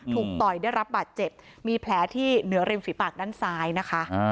ต่อยได้รับบาดเจ็บมีแผลที่เหนือริมฝีปากด้านซ้ายนะคะ